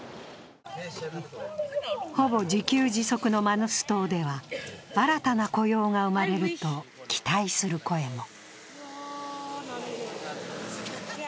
ほぼ自給自足のマヌス島では新たな雇用が生まれると期待する声も。